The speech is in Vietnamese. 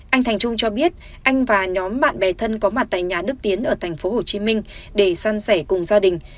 anh thành trung cho biết anh và nhóm bạn bè thân có mặt tại nhà đức tiến ở tp hcm để săn sẻ cùng gia đình